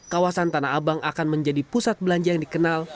kawasan tanah abang akan menjadi pusat belanja yang dikenal